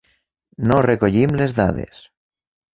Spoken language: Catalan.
No recollim les dades.